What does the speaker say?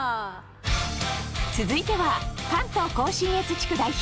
続いては関東甲信越地区代表